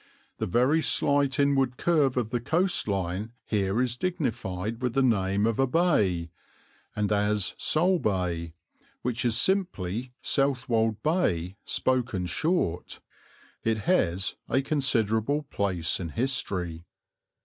The very slight inward curve of the coastline here is dignified with the name of a bay, and as Sole Bay, which is simply Southwold Bay spoken short, it has a considerable place in history.